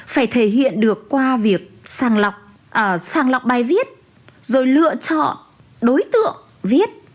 phải thể hiện được qua việc sàng lọc bài viết rồi lựa chọn đối tượng viết